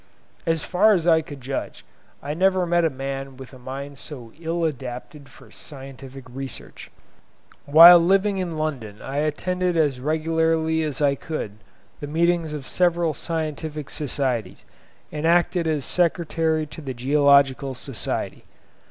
As far as I could judge, I never met a man with a mind so ill adapted for scientific research. Whilst living in London, I attended as regularly as I could the meetings of several scientific societies, and acted as secretary to the Geological Society.